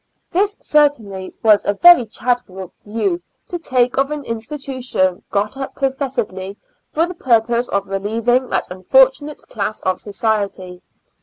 This certainly was a very charitable view to take of an institution got up professedly for the pur pose of reheving that unfortunate class of society.